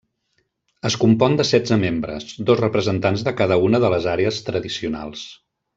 Es compon de setze membres, dos representants de cada una de les àrees tradicionals.